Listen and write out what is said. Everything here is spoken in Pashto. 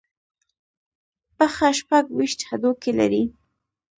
پښه شپږ ویشت هډوکي لري.